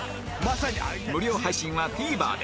無料配信は ＴＶｅｒ で！